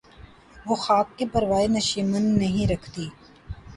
وہ خاک کہ پروائے نشیمن نہیں رکھتی